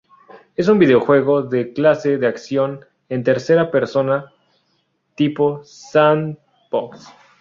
Es un videojuego de la clase de acción en tercera persona tipo sandbox.